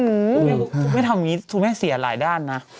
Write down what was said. ถูกไม่ทำแบบนี้ถูกไม่ให้เสียหลายด้านนะ